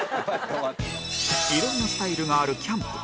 色んなスタイルがあるキャンプ